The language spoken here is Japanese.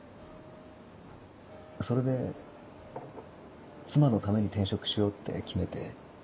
それで妻のために転職しようって決めて。